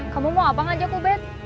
kamu mau apa ngajak ubed